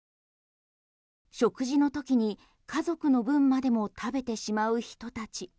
食事のときに家族の分までも食べてしまう人たち。